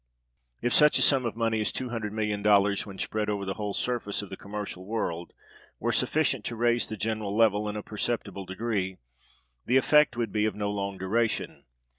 If such a sum of money as $200,000,000, when spread over the whole surface of the commercial world, were sufficient to raise the general level in a perceptible degree, the effect would be of no long duration.